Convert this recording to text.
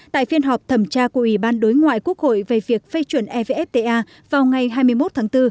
tại phiên họp thẩm tra của ủy ban đối ngoại quốc hội về việc phê chuẩn evfta vào ngày hai mươi một tháng bốn